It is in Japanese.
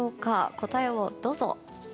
答えを、どうぞ。